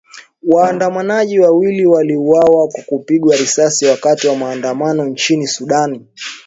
Waandamanaji wawili waliuawa kwa kupigwa risasi wakati wa maandamano nchini Sudan